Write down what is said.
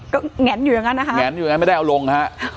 ก็แงนอยู่อย่างนั้นนะคะแงนอยู่อย่างนั้นไม่ได้เอาลงฮะ